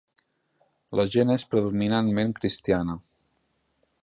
La gent és predominantment cristiana.